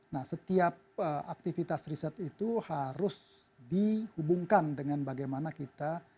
nah setiap aktivitas riset itu harus dihubungkan dengan bagaimana kita